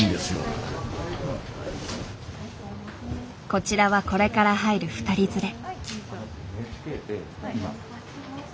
こちらはこれから入る２人連れ。